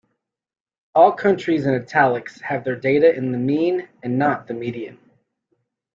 All countries in italics have their data in the mean and not the median.